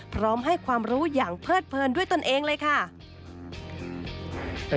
พร้อมให้ความรู้อย่างเพิดเพลินด้วยตนเองเลยค่ะ